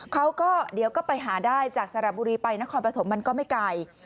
เขาก็เดี๋ยวก็ไปหาได้จากสระบุรีไปนครปฐมมันก็ไม่ไกล